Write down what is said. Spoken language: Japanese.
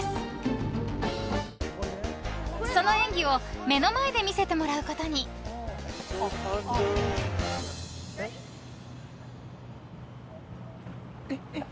［その演技を目の前で見せてもらうことに］えっ？えっ？